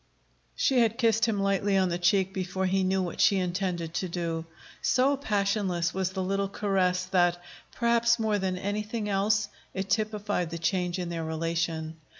She had kissed him lightly on the cheek before he knew what she intended to do. So passionless was the little caress that, perhaps more than anything else, it typified the change in their relation.